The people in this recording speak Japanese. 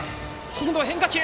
今度は変化球！